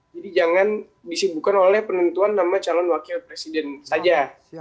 jadi jangan disibukan oleh penentuan nama calon wakil presiden saja